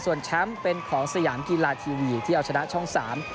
ส่วนแชมป์เป็นของสยามกีฬาทีวีที่เอาชนะช่องสาม